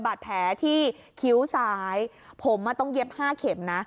บาดแผลที่คิ้วซ้ายผมต้องเย็บ๕เข็มนะ